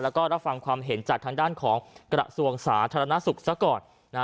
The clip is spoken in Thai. แล้วก็รับฟังความเห็นจากทางด้านของกระทรวงสาธารณสุขซะก่อน